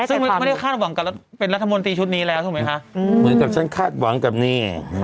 ซึ่งไม่ได้คาดหวังกับเป็นรัฐมนตรีชุดนี้แล้วถูกไหมคะเหมือนกับฉันคาดหวังกับนี่